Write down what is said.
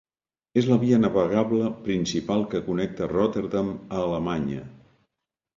És la via navegable principal que connecta Rotterdam a Alemanya.